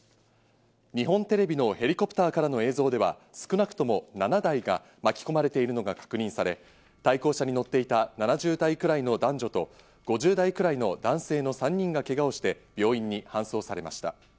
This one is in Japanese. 日本テレビのヘリコプターからの映像では、少なくとも７台が巻き込まれているのが確認され、対向車に乗っていた、７０代くらいの男女と５０代くらいの男性の３人がけがをして病院に搬送されました。